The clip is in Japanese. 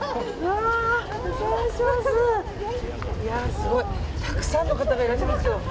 すごい、たくさんの方がいらっしゃいますね。